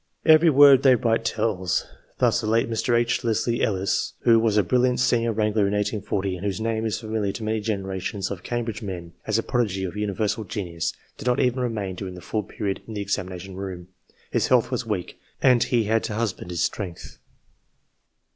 Every word they write tells. Thus, the late Mr. H. Leslie Ellis, who was a brilliant senior wrangler in 1840, and whose name is familiar to many generations of Cambridge men as a prodigy of universal genius, did not even remain during the full period in the examination room : his health was weak, and he had to husband his strength.